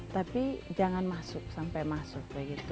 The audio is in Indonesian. tapi jangan masuk sampai masuk